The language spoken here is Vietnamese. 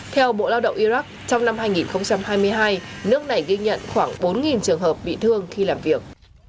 theo bộ lao động iraq trong năm hai nghìn hai mươi hai nước này ghi nhận khoảng bốn trường hợp bị thương khi làm việc